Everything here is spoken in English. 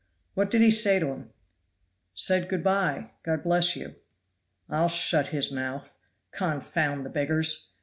What did he say to him?" "Said 'Good by! God bless you!'" "I'll shut his mouth. Confound the beggars!